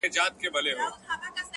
كه به زما په دعا كيږي”